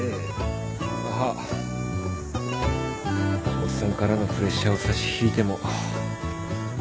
オッサンからのプレッシャーを差し引いても。